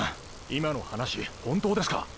今の話本当ですか？